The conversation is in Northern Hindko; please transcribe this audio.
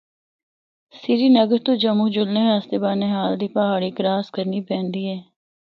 سری نگر تو جموں جلنا آسطے بانہال دی پہاڑی کراس کرنی پیندی اے۔